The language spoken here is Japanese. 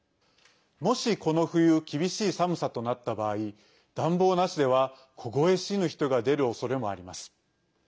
もし、この冬厳しい寒さとなった場合暖房なしでは凍え死ぬ人が出るおそれもあります。